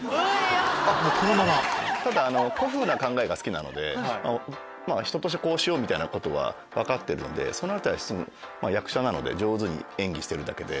ただ古風な考えが好きなので人としてこうしようみたいなことは分かってるのでその辺りは役者なので上手に演技してるだけで。